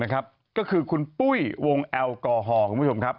ก็คือคุณปุ้ยวงแอลกอฮอล์คุณผู้ชมครับ